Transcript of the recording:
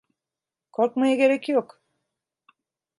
Korkmaya gerek yok.